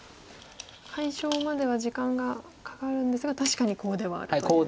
解消までは時間がかかるんですが確かにコウではあるという。